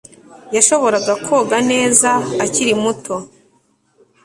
Yashoboraga koga neza akiri muto